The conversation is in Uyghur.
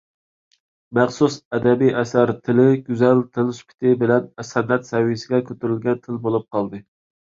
مەخسۇس ئەدەبىي ئەسەر تىلى گۈزەل تىل سۈپىتى بىلەن سەنئەت سەۋىيىسىگە كۆتۈرۈلگەن تىل بولۇپ قالدى.